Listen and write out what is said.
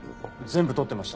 全部撮ってました。